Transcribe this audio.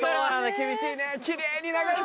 厳しいね。